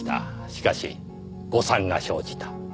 しかし誤算が生じた。